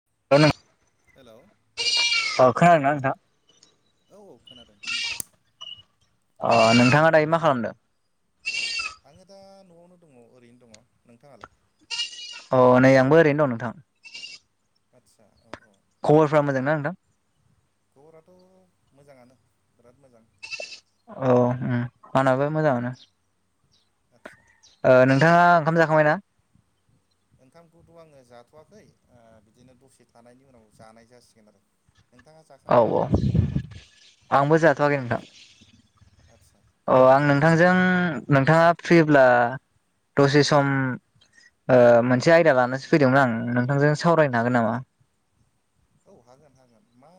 [inaudible] Hello? अ खोनादोंना नोंथां? औ औ खोनादों अ नोंथाङा दायो मा खालामदों? आंङो दा नआवनो दङ ओरैनो दङ नोंथाङालाय? अ नै आंबो ओरैनो दं नोंथां। आतसा औ औ। खबरफ्रा मोजांना नोंथां? खबराथ मोजाङानो बिराद मोजां। औ उम आंनाबो मोजांआनो। आतसा। ओ नोंथाङा ओंखाम जाखाबायना? ओंखामखौथ आंङो जाथवाखै बिदिनो दसे थानायनि उनाव जानाय जासिगोन आरो। नोंथाङा औ जाखांबायबो औ नामा आंबो जाथवाखै नोंथां। आदसा आदसा अ आं नोंथांजों ओमफ्राय नोंथाङा फ्रिब्ला दसे सम ओ मोनसे आयदा लानासो फैदोंमोन आं नोंथांजों सावरायनो हागोन नामा? औ हागोन हागोन मा?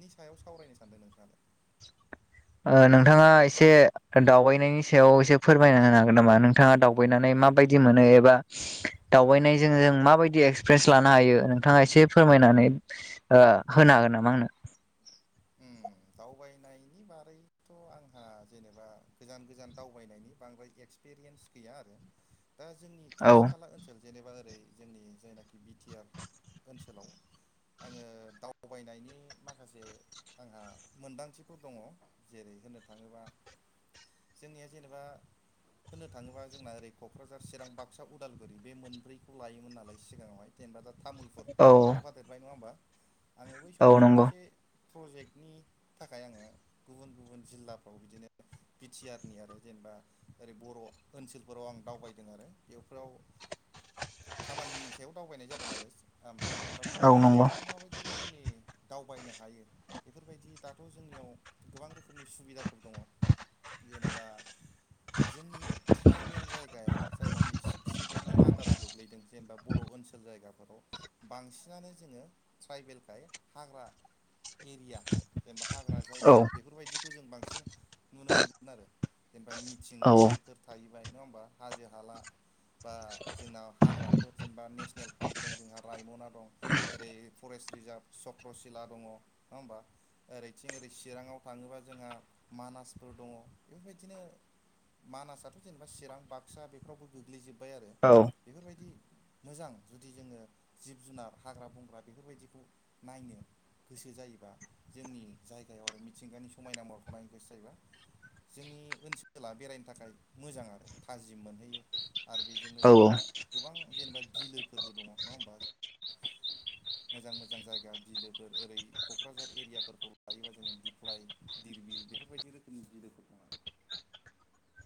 नि सायाव सावरायनो सानदों नोंथाङालाय। नोंथाङा एसे दावबायनायनि सायाव एसे फोरमायना होनो हागोन नामा नोंथाङा दावबायनानै मा माबायदि मोनो एबा दावबायनायजों जों माबायदि एक्सपिरियेन्स लानो हायो नोंथाङा एसे फोरमायना होनो हागोन नामा आंनो? उम [inaudible] दावबायनायनि बारैथ आंहा जेनेबा गोजान गोजान दावबायनायनि बांद्राय एक्सपिरियेन्स गैया आरो दा जोंनि औ खाथि खाला ओनसोल जेनेबा ओरै जोंनि जायनाखि बिटिआर ओनसोलाव आंङो दावबायनायनि माखासे आंहा मोनदांथिफोर दङ जेरै होननो थाङोबा जोंनिया जेनेबा होननो थाङोबा जोंना ओरै कक्राझार चिरां बाक्सा उदालगुरि बे मोनब्रैखौ लायोमोन नालाय सिगाङावहाय जेनेबा तामुलपुर औ थाफादेरबाय नङा होमबा आंङो बै औ समावहाय नंगौ मोनसे प्रजेक्ट बि टि आर नि आरो जेनेबा ओरै बर ओनसोलफोराव आं दावबायदों आरो बेफोराव [inaudible] खामानिनि सायाव दावबायनाय जादों आरो ओमफ्राय जेनेबा औ नंगौ कक्राझारफ्राव माबायदि रोखोमनि दावबायनो हायो बेफोरबायदि दाथ जोंनियाव गोबां रोखोमनि सुबिदाफोर दङ। जेनेबा जोंनि ट्राइबेल जायगायानो जायनाखि सिक्स सेदुलनि आन्दाराव गोग्लैदों जेनेबा बर'होन ओनसोल जायगाफोराव बांसिनानो जोङो ट्राइबेलखाय हाग्रा [inaudible] एरिया जेनेबा हाग्रा औ जायगा बेफोरबायदिखौ जों बांसिन नुनो मोनगोन आरो जेनेबा औ मिथिंगानिफोर थाहैबाय नङा होमबा हाजो हाला बा जोंनाव हाग्राफोर जेनेबा नेसनेल पार्क दं जोंहा रायमना दं ओरै फरेस्ट रिजार्भ चक्र शिला दङ नङा होमबा ओरैथिं ओरै चिराङाव थाङोबा जोंहा मानासफोर दङ बेफोरबायदिनो मानासाथ' जेनेबा चिरां बाक्सा बेफ्रावबो गोग्लैजोबो औ मोजां जुदि जोङो जिब जुनार हाग्रा बंग्रा बेफोरबायदिखौ नायनो गोसो जायोबा जोंनि जायगायाव आरो मिथिंगानि समायना महरखौ नायनो गोसो जायोबा जोंनि ओनसोला बेरायनो थाखाय मोजां आरो थाजिम मोनहैयो आरो बेजोंनो औ जोंहा गोबां जेनेबा बिलोफोरबो दङ नङा होमबा मोजां मोजां जायगा बिलोफोर ओरै क'क्राझार एरियाफोरखौ लायोबा जोङो दिप्लाय धिरबिल बेफोरबायदि रोखोमनि बिलोफोर दं आरो [inaudible]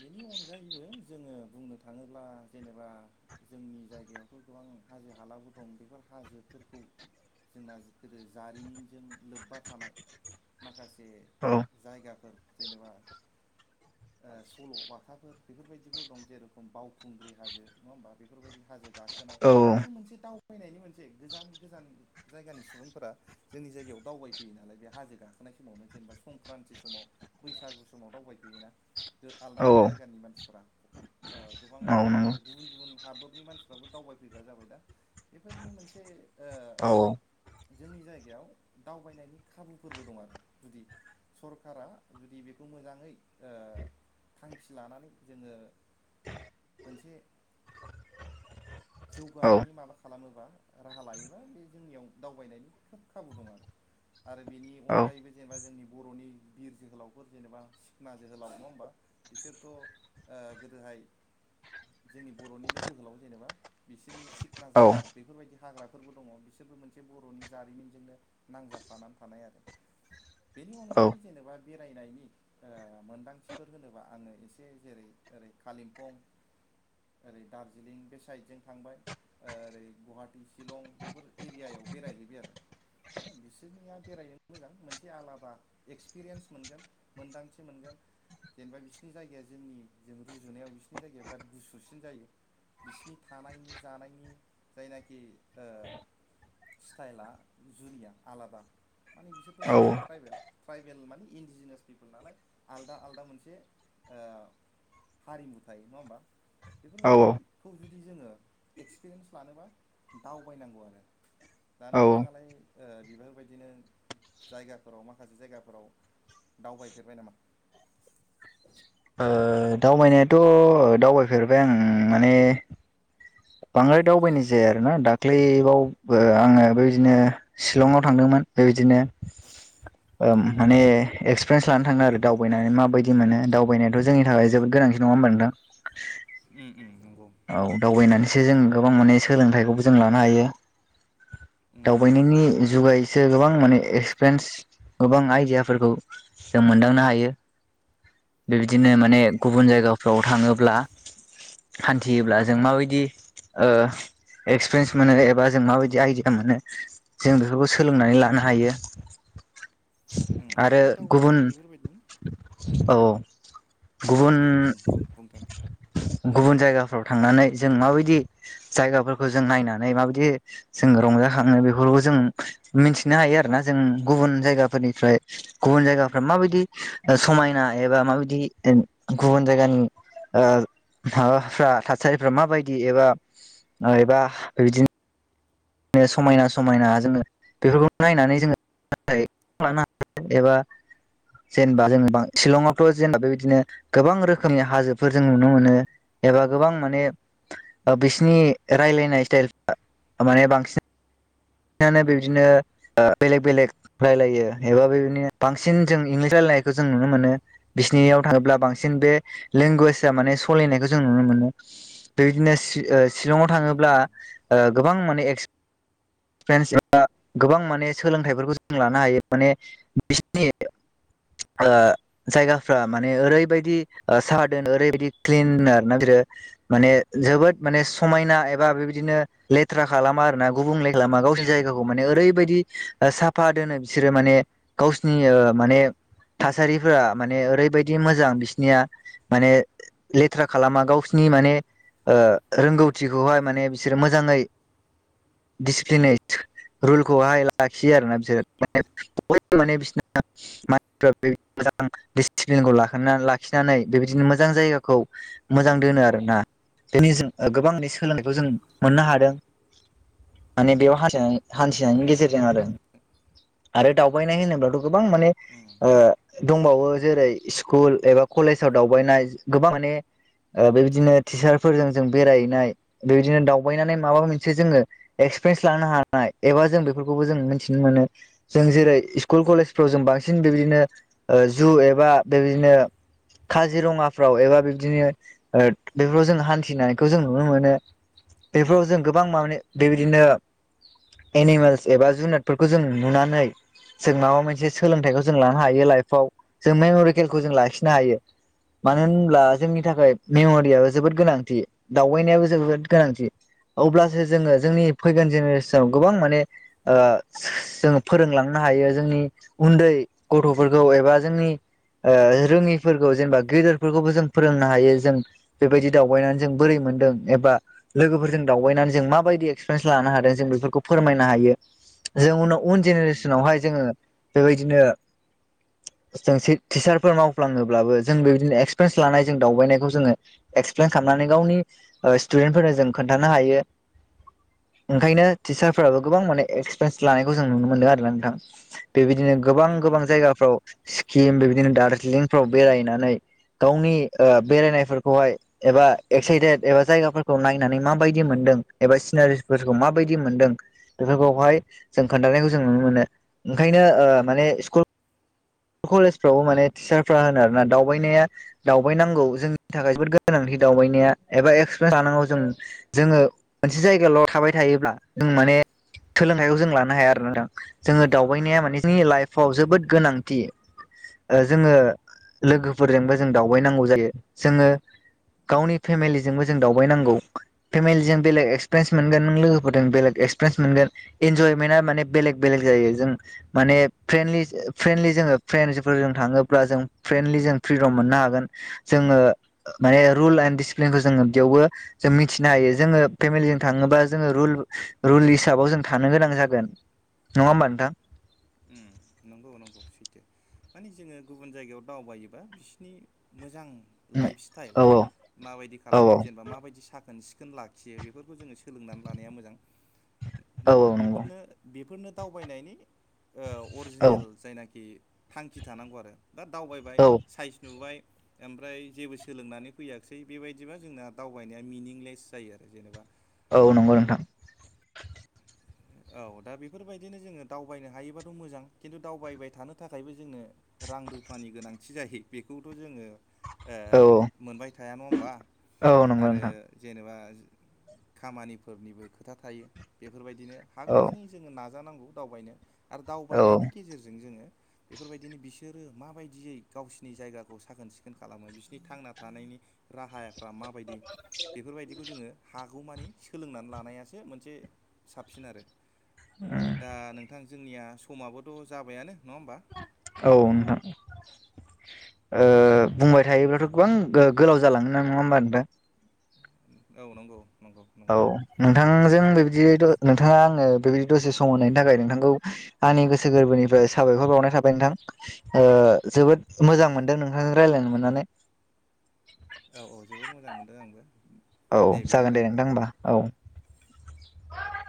बेनि अनगायैबो जोङो बुंनो थाङोब्ला जेनेबा जोंनि जायगायावथ' गोबां हाजो हालाबो दं बेफोर हाजोफोरखौ जोंना गोदो जारिमिनजों लोब्बा थानाय माखासे जायगाफोर जेनेबा ओ सल' बाथाफोर बेफोरबायदिफोर दं जेरेखम बावखुंग्रि हाजो नङा होनबा मबा बेफोरबायदि हाजो गाखोनाय औ बेबो मोनसे दावबायनायनि मोनसे गोजान गोजान जायगानि सुबुंफोरा जोंनि जायगायाव दावबायफैयो। दालाय बे हाजो गाखोनाय समावनो जेनेबा संक्रान्थि समाव बैसागु समाव दावबाय फैयोना आलदा औ आलदा जायगानि मानसिफोरा गोबां औ नंगौ गुबुन गुबुन हादरनि मानसिफ्राबो दावबायफैग्रा जाबाय दा बेफोरनो मोनसे ओ औ औ जोंनि जायगायाव दावबायनायनि खाबुफोरबो दं आरो जुदि सरकारा जुदि बेखौ मोजाङै ओ थांखि लानानै जोङो मोनसे औ जौगानायनि औ माबा खालामोबा राहा लायोबा बे जोंनियाव दावबायनायनि खोब खाबु दं आरो आरो बेनि औ अनगायैबो जेनेबा जोंनि बर'नि बिर जोहोलावफोर जेनेबा सिखना जोहोलाव नङा होमबा बिसोरथ' गोदोहाय जोंनि बर'निनो जोहोलाव जेनेबा बिसोरनि सिखना औ जाहार बेफोरबायदि हाग्राफोरबो दङ बिसोरबो मोनसे बर'नि जारिमिनजोंनो नांजाबफा- फानानै थानाय आरो बेनि अनगायै जेनेबा बेरायनायनि मोनदांथिफोर होनोबा आङो एसे जेरै ओरै कलिम्पं ओरै दार्जिलिं बे साइडजों थांबाय ओरै गुवाहाटि शिलं बेफोर एरियायाव बेरायहैबाय आरो बिसोरनिया बेरायहैनो मोजां मोनसे आलादा एक्सपिरियेन्स मोनगोन मोनदांथि मोनगोन जेनेबा बिसोरनि जायगाया जोंनि जों रुजुनायाव बिसोरनि जायगाया बिराद गुसुसिन जायो बिसोरनि थानायनि जानायनि जायनाखि स्टाइला जुनिया आलादा। माने बिसोरनो सासे ट्राइबेल ट्राइबेल माने इन्डिजिनियास पिपोल नालाय आलदा आलदा मोनसे ओ [inaudible] हारिमु थायो नङा होमबा? औ बेफोरबायदिखौ जु दि जोङो एक्सपिरियेन्स लानोबा दावबायनांगौ आरो। दा औ ओ नोंथाङालाय ओ बेफोरफोरबायदिनो जायगाफोराव माखासे जायगाफोराव दावबायफेरबाय नामा? ओ ओ दावबायनायाथ' दावबायफेरबाय आं माने बांद्राय दावबायनाय जाया आरोना दाख्लैबावबो आङो बेबायदिनो सिलंआव थांदोंमोन। मोन बेबायदिनो। ओ माने एक्सपिरियेन्स लानो थाङो आरो दावबायनानै माबायदि मोनो दावबायनायाथ' जोंनि थाखाय जोबोद गोनां [unintelligible] नङा होमबा नोंथां उम उम नंगौ औ दावबायनानैसो जों गोबां माने सोलोंथाइखौबो जों लानो हायो। उम दावबायनायनि जुगायैसो गोबां माने एक्सप्रेन्स गोबां आइडियाफोरखौ जों मोनदांनो हायो। बेबायदिनो उम माने नंगौ गुबुन जायगाफोराव थाङोब्ला हान्थियोब्ला जों माबायदि ओ एक्सपिरियेन्स मोनो एबा जों माबायदि आइडिया मोनो जों बेफोरखौ सोलोंनानै लानो हायो। उम आरो माने गुबुन दावबायनाया बेफोरबायदिनो औ औ गुबुन दे बुं बुं बुंथां जायगाफोराव थांनानै जों माबायदि जायगाफोरखौ जों नायनानै माबायदि जों रजाखाङो बेफोरखौ जों मिथिनो हायो आरोना जों गुबुन जायगाफोरनिफ्राय गुबुन जायगाफोरा मायबाय दि ओ समायना एबा माबायदि गुबुन जायगानि ओ माबाफ्रा थासारिफ्रा माबायदि एबा ओ एबा बेबायदिनो नो समायना समायना जोङो बेफोरखौ नायनानै जोङो [unintelligible] एबा जेनेबा जों बां सिलंआवथ' जेनेबा बेबायदिनो गोबां रोखोमनि हाजोफोर जों नुनो मोनो। एबा गोबां माने ओ बिसिनि रायलायनाय स्टाइलफ्रा माने बां सिन नानो उम बेबदिनो उम बेलेग बेलेग रायलायो एबा बेबादिनो बांसिन जों इंलिस रायलाय नायखौ जों नुनो मोनो बिसिनियाव थाङोब्ला बांसिन बे लेंगुवेजआ माने सलानायखौ जों नुनो मोनो। बेबायदिनो सि ओ सिलंआव उम थाङोब्ला उम ओ गोबां माने एक्स [unintelligible] एबा गोबां माने सोलोंथाइफोरखौ जों लानो हायो माने बिसिनि ओ जायगाफ्रा माने ओरैबायदि सा दोन ओरैबायदि क्लिन आरोना बिरात। माने जोबोद माने समायना एबा बेबायदिनो लेथ्रा खालामा आरोना गुबुंले खालामा गावसिनि जायगाखौ माने ओरैबायदि ओ साफा दोनो बिसोरो माने गावसिनि ओ माने थासारिफोरा माने ओरैबायदि मोजां बिसिनिया माने लेथ्रा खालामा गाव गावसिनि माने ओ रोंगौथिखौहाय माने बिसोरो मोजाङै डिसिप्लिनै रुलखौहाय लाखियो आरोना बिसोर माने बयबो माने बिसिना माने [unintelligible] मोजां दिसिप्लिनखौ लाखिना लाखिनानै बेबायदिनो मोजां जायगाखौ मोजां दोनो आरोना। दिनै जों गोबांनि सोलोंनायखौ जों मोननो हादों। माने बेयाव हान्थिनाय हान्थिनायनि उम गेजेरजों आरो। आरो दावबायनाय होनोब्लाथ' गोबां माने उम ओ दंबावो जेरै स्कुल एबा कलेजाव दावबायनाय गोबां माने ओ बेबायदिनो टिचारफोरजों जों बेरायहैनाय बेबायदिनो दावबायनानै माबा मोनसे जोङो एक्स प्रेन्स लानो हानाय एबा जों बेफोरखौबो जों मिथिनो मोनो जों जेरै स्कुल कलेजफ्राव जों बां सिन बेबायदिनो ओ जु एबा बेबायदिनो काजिरङाफ्राव एबा बिबदिनो ओ बेफोराव जों हान्थिनायखौ जों नुनो मोनो। बेफोराव जों गोबां माबानि बेबायदिनो। एनिमेल्स एबा जुनारफोरखौ जों नुनानै जों माबा मोनसे सो सोलोंथाइखौ जों लानो हायो लाइफआव जों मेमरिकेलखौ जों लाखिनो हायो। मानो होनब्ला जोंनि उम थाखाय मेमरियो जोबोद गोनांथि दावबायनायाबो जोबोद गोनांथि। अब्लासो जोङो जोंनि फैगोन जेनेरेसनाव गोबां माने जोङो ओ फोरोंलांनो हायो जोंनि उन्दै गथ'फोरखौ एबा जोंनि ओ रोङिफोरखौ जेनेबा गेदेरफोरखौबो जों फोरोंनो हायो जों बेबायदि दावबायनानै जों बोरै मो मोनदों एबा लोगोफोरजों दावबायनानै जों माबायदि एक्सपिरियेन्स लानो हादों जों बेफोरखौ फोरमायनो हायो। जों उनाव उन नंगौ जेनेरेसनावहाय नंगौ जोङो बेबायदिनो। जों से टिचारफोर मावफ्लाङोब्लाबो जों बेबायदिनो एक्सपिरियेन्स लानाय जों दावबायनायखौ जोङो एक्सप्लेन खाम नानै गावनि ओ सटुदेनफोरनो जों खोन्थानो हायो। ओंखायनो टिचारफोराबो गोबां माने एक्सपिरियेन्स लानायखौ जों नुनो मोनदों आरो ना नोंथां बेबायदिनो गोबां उम उम गोबां नंगौ जायगाफ्राव सिक्किम बेबायदिनो दार्जिलिंफोराव बेरायनानै। गावनि ओ बेरायनायफोरखौहाय एबा एक्साइटेड एबा जायगाफोरखौ नायनानै माबायदि मोन दों एबा सिनारिफोरखौ माबायदि मोनदों बेफोरखौहाय जों खोन्थानायखौ जों नुनो मोनो। ओंखायनो ओ माने स्कुल कलेजफ्रावबो माने टिचारफ्रा होनो आरोना दावबायनाया दावबायनांगौ जोंनि थाखाय जोबोद गोनांथि। दावबायनाया एबा एक्सपिरियेन्स लानांगौ जों जोङो मोनसे जायगाल' थाबाय थायोब्ला जों माने सोलोंथाइखौ जों लानो हाया आरो नोंथां जोङो दावबायनाया माने जोंनि लाइफाव जोबोद उम गोनांथि। ओ जोङो लोगोफोरजोंबो जों दावबायनांगौ जायो जोङो गावनि फेमिलिजोंबो जों दावबायनांगौ फेमिलिजों बेलेग एक्सप्रेस मोनगोन नों लोगोफोरजों बेलेग ए एक्सप्रेस मोनगोन इन्जयमेन्टा माने बेलेग बेलेग जायो जों माने फ्रेन्डलि ओ फ्रेन्डलि जोङो फ्रेन्जफोरजों थाङोब्ला जों फ्रेन्दलि जों फ्रिदम मोननो हागोन जोङो माने रुल एन डिसिप्लिनखौ जोङो बेयावबो जों मिथिनो हायो जोङो फेमिलिजों थाङोबा जोङो रुल रुलिस साबाव जों थानो गोनां जागोन नङा होमबा नोंथां? नंगौ-नंगौ सैथो मानि जोङो गुबुन जायगायाव दावबायोबा बिसिनि मोजां। लाइफ स्टाइल औ माबायदि खाला थोन लाखियो बेफोरखौ जोङो सोलोंनानै लानाया मोजां नङा औ होमबा नंगौ बेफोरनो-बेफोरनो दावबायनायनि ओ औ अरिजिनेल जायनाखि थांखि थानांगौ आरो। दा दावबायबाय औ साइस नुबाय। ओमफ्राय जेबो सोलोंनानै फैयाखिसै बेबायदिबा जोंना दावबायनाया मिनिंलेस जायो आरो जेनेबा। औ नंगौ नोंथां। औ दा बेफोरबायदिनो जोङो दावबायनो हायोबाथ' मोजां खिन्थु दावबायबाय थानो थाखायबो जोंङो रां रुफानि गोनांथि जायो बेखौथ' जोङो ओ औ मोनबाय थाया नङा होमबा औ औ नंगौ आरो नोंथां जेनेबा खामानिफोरनिबो खोथा थायो बेफोरबायदिनो हागौमानि औ जोङो ना जानांगौ दावबायनो आरो औ दावबायनायनि गेजेरजों जोङो बेफोरबायदिनो बिसोरो माबायदियै गावसिनि जायगाखौ साखोन सिखोन खालामो बिसोरनि थांना थानायनि राहाफ्रा माबायदि बेफोरबायदिखौ जोङो हा गौमानि सोलोंनानै लानायासो मोनसे साबसिन आरो दा नोंथां जोंनिया समाबोथ' जाबायानो। नङा होमबा औ नोंथां। ओ बुंबाय थायोब्लाथ' गोबां गो-गोलाव जालाङो ना नङा होमबा नोंथां? औ नंगौ। नंगौ नंगौ औ दा नोंथांजों जोंना बेबदिथ' नोंथाङा आंनो बेबायदि दसे सम मोननायनि थाखाय नोंथांखौ आंनि गोसो गोरबोनिफ्राय साबायखर बावनाय थाबाय नोंथां ओ जोबोद औ मोजां मोनदों नोंथांजों रायजलायनो मोननानै। औ-औ जोबोद मोजां मोनदों आंबो। औ जागोन दे नोंथां होमबा औ।